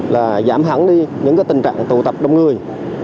là giảm hẳn đi những tình trạng tụ tập đông người